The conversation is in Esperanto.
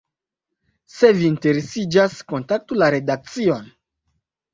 Se vi interesiĝas, kontaktu la redakcion!